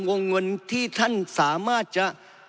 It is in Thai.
วงเงินที่ท่านสามารถจะ